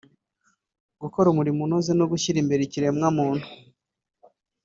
gukora umurimo unoze no gushyira imbere ikiremwa muntu